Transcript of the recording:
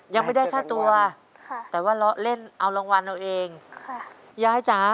ยังไม่ได้ค่าตัวค่ะแต่ว่าเลาะเล่นเอารางวัลเอาเองค่ะยายจ๋า